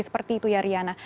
seperti itu ya riana